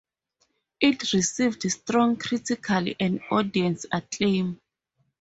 It received strong critical and audience acclaim.